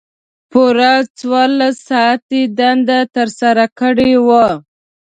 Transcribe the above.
پوره څوارلس ساعته یې دنده ترسره کړې وه.